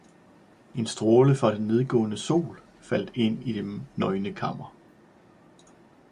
En stråle fra den nedgående sol falder ind i det nøgne kammer.